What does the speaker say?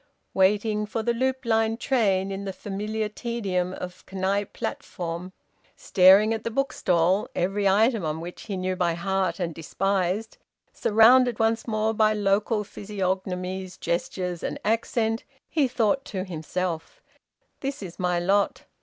Waiting for the loop line train in the familiar tedium of Knype platform, staring at the bookstall, every item on which he knew by heart and despised, surrounded once more by local physiognomies, gestures, and accent, he thought to himself: "This is my lot.